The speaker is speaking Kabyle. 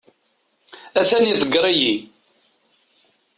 A-t-an iḍegger-iyi.